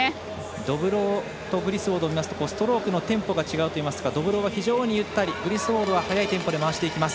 ドブロウとグリスウォードを見るとストロークのテンポが違うといいますかドブロウはゆったりグリスウォードは速いテンポで回していきます。